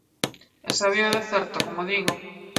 E sabíao de certo, como digo.